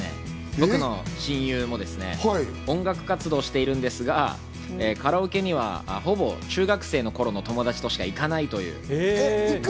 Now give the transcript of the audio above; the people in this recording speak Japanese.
僕の親友も音楽活動をしているんですが、カラオケにはほぼ中学生の頃の友達としか行かないという。